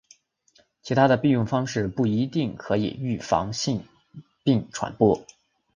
其他的避孕方式不一定可以预防性病传播。